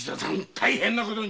大変なことに！